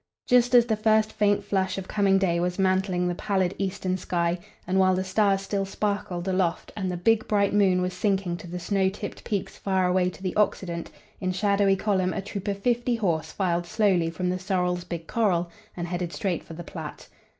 Just as the first faint flush of coming day was mantling the pallid eastern sky, and while the stars still sparkled aloft and the big, bright moon was sinking to the snow tipped peaks far away to the occident, in shadowy column a troop of fifty horse filed slowly from The Sorrels' big corral and headed straight for the Platte.